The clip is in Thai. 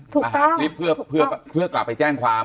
ถูกต้องหาคลิปเพื่อกลับไปแจ้งความ